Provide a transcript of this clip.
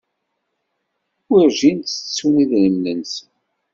Werǧin ttettun idrimen-nsen.